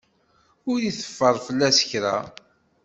Ur iteffer fell-as kra.